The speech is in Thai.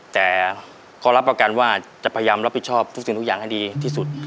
แต่เขารับประกันว่าจะพยายามรับผิดชอบทุกสิ่งทุกอย่างให้ดีที่สุด